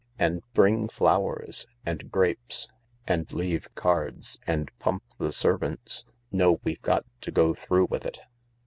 And bring flowers. And grapes. And leave cards. And pump the servants. No, we've got to go through with it."